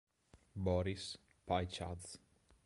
Boris P'aich'adze